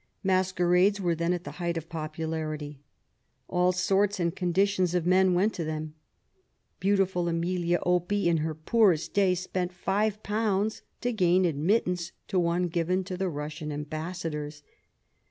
Masquerades were then at the height of popularity. All sorts and conditions of men went to them. Beau tiful Amelia Opie, in her poorest days^ spent five pounds to gain admittance to one given to the Russian ambassadors.